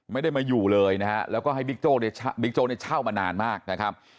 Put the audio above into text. ไม่ได้มาอยู่เลยนะฮะแล้วก็ให้บิ๊กโจ๊กเนี่ยเช่ามานานมากนะครับ